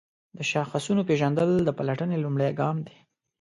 د شاخصونو پیژندل د پلټنې لومړی ګام دی.